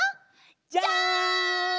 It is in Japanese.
じゃん！